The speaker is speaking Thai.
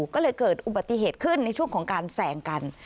ก็เลยเกิดอุบัติเหตุขึ้นในช่วงของการแสงกัน